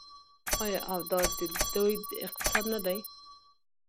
آیا او دا دی د دوی اقتصاد نه دی؟